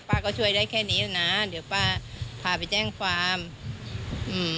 ป้าเขาช่วยได้แค่นี้นะเดี๋ยวป่าพาไปแจ้งความอืม